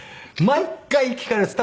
毎回聞かれます。